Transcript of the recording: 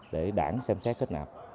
để đảng xem xét khách nạp